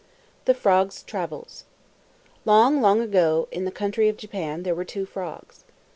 THE FROGS' TRAVELS Long, long ago, in the country of Japan, there were two frogs.